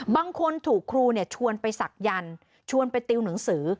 บางคนถูกครูเนี่ยชวนไปศักดิ์ยันต์ชวนไปติวหนังสือ